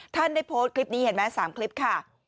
ท่านได้โพสต์คลิปนี้เห็นไหม๓คลิปค่ะ